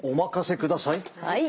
はい。